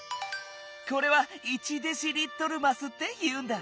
これは「１デシリットルます」っていうんだ。